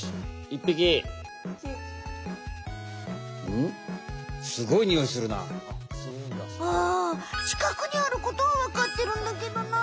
うんちかくにあることはわかってるんだけどな。